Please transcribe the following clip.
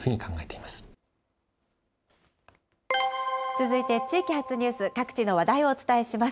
続いて地域発ニュース、各地の話題をお伝えします。